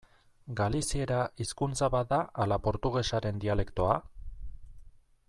Galiziera hizkuntza bat da ala portugesaren dialektoa?